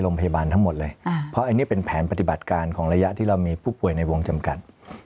โรงพยาบาลทั้งหมดเลยเพราะอันนี้เป็นแผนปฏิบัติการของระยะที่เรามีผู้ป่วยในวงจำกัด